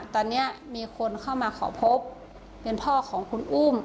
ตอนนี้มีคนเข้ามาขอพบเป็นพ่อของคุณอุ้ม